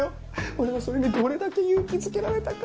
俺はそれにどれだけ勇気づけられたか。